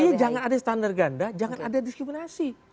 jangan ada standar ganda jangan ada diskriminasi